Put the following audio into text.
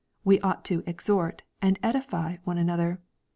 We ought to " exhort" and " edify one another."